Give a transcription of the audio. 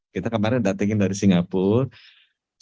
kita kemarin datangin dari singapura